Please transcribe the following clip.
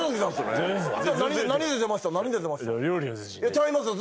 ちゃいますよ。